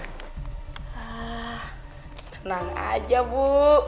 ah tenang aja bu